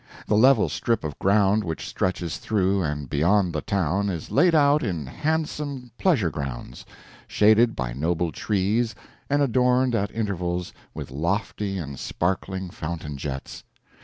The level strip of ground which stretches through and beyond the town is laid out in handsome pleasure grounds, shaded by noble trees and adorned at intervals with lofty and sparkling fountain jets.